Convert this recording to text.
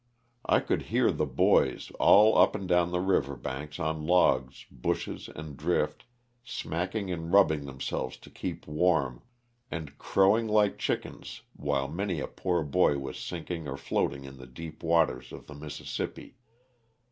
I could hear the boys, all up and down the river banks on logs, bushes and drift, smacking and rubbing themselves to keep warm, and crowing like chickens while many a poor boy was sink ing or floating in the deep waters of the Mississippi.